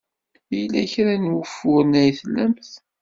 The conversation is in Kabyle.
Yella kra n wufuren ay tlamt?